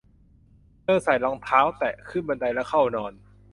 เธอใส่รองเท้าแตะ ขึ้นบันไดแล้วเข้านอน